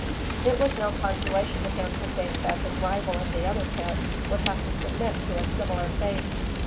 It was no consolation to him to think that his rival in the other pit would have to submit to a similar fate.